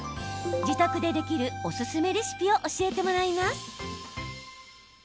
自宅でできるおすすめレシピを教えてもらいます。